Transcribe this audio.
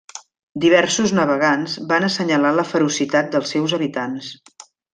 Diversos navegants van assenyalar la ferocitat dels seus habitants.